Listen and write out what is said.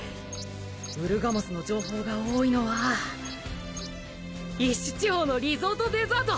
ウルガモスの情報が多いのはイッシュ地方のリゾートデザート！